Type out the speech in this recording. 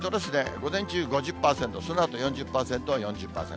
午前中５０％、そのあと４０％、４０％。